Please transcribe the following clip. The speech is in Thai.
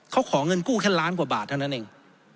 เขาขอเงินกู้แค่ล้านกว่าบาทเท่านั้นเอง